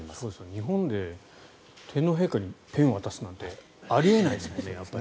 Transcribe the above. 日本で天皇陛下にペンを渡すなんてあり得ないですよね。